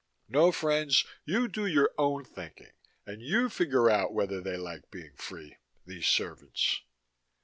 No, friends, you do your own thinking and you figure out whether they liked being free, these servants.